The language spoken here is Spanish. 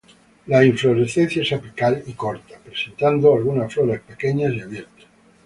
La inflorescencia es apical y corta, presentando algunas flores pequeñas y abiertas.